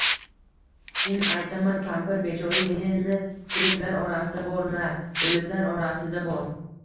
Chin aytaman, kampir, bechora Lenin na... tiriklar orasida bor, na... o‘liklar orasida bor.